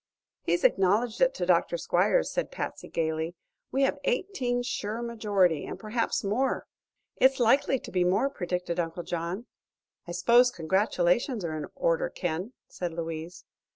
"He acknowledged it to Dr. Squiers." said Patsy, gaily. "We have eighteen sure majority, and perhaps more." "It's likely to be more," predicted Uncle John. "I suppose congratulations are in order, Ken," said Louise.